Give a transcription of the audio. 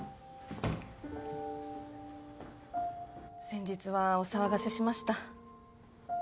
先日はお騒がせしました。